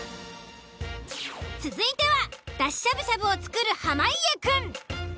続いてはだししゃぶしゃぶを作る濱家くん。